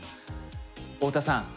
太田さん